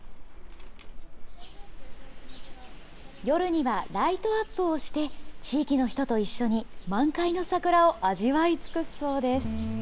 夜にはライトアップをして、地域の人と一緒に満開の桜を味わいつくすそうです。